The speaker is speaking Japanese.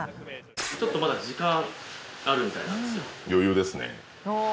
ちょっとまだ時間あるみたいなんですよ。